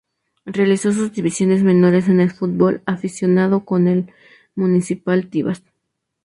Realizó sus divisiones menores en el fútbol aficionado, con el Municipal Tibás.